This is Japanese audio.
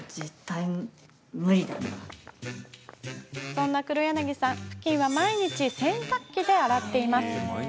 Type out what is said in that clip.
そんな畔柳さん、ふきんは毎日洗濯機で洗っています。